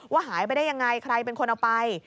ว่าหายไปได้อย่างไรใครเป็นคนเอาไป